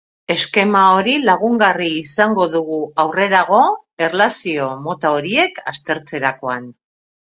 Eskema hori lagungarri izango dugu aurrerago erlazio mota horiek aztertzerakoan.